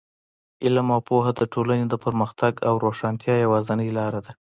علم او پوهه د ټولنې د پرمختګ او روښانتیا یوازینۍ لاره ده.